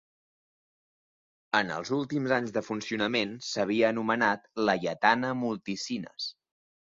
En els últims anys de funcionament s'havia anomenat Laietana Multicines.